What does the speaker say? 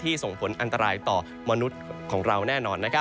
ส่งผลอันตรายต่อมนุษย์ของเราแน่นอน